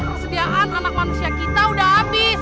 persediaan anak manusia kita udah habis